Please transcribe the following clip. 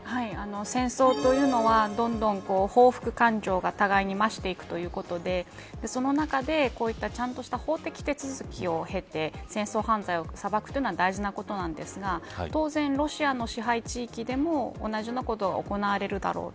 戦争というのはどんどん報復感情が互いに増していくということでその中でこういったちゃんとした法的手続きを経て戦争犯罪を裁くというのは大事なことなんですが当然、ロシアの支配地域でも同じようなことが行われるだろう。